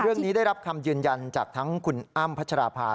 เรื่องนี้ได้รับคำยืนยันจากทั้งคุณอ้ำพัชราภา